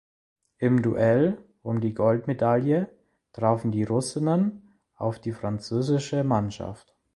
Im Duell um die Goldmedaille trafen die Russinnen auf die französische Mannschaft.